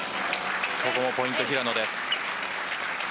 ここもポイント、平野です。